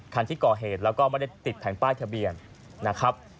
คันที่ก่อเหตุแล้วก็ไม่ได้ติดแผ่นป้ายทะเบียนนะครับ